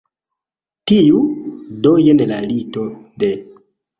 Tiu? Do jen la lito de